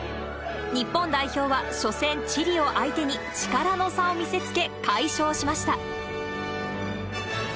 日本代表は初戦、チリを相手に力の差を見せつけ、解消しました。